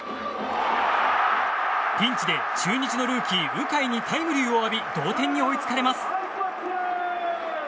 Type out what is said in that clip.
ピンチで中日のルーキー、鵜飼にタイムリーを浴び同点に追いつかれます。